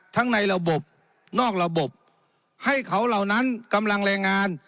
ในระบบนอกระบบให้เขาเหล่านั้นกำลังแรงงาน